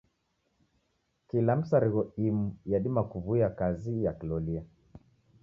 Kila misarigho imu yadima kuw'uya kazi ya kilolia.